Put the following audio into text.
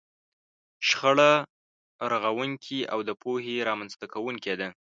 شخړه رغونکې او د پوهې رامنځته کوونکې ده.